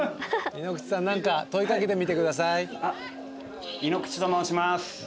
井ノ口さん何か問いかけてみてください。